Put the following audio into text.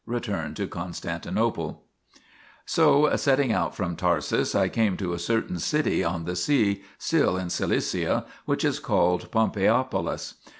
RETURN TO CONSTANTINOPLE So, setting out from Tarsus, I came to a certain city on the sea, still in Cilicia, which is called Pompeiopolis.